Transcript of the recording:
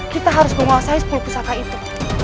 kita harus menguasai sepuluh pusaka itu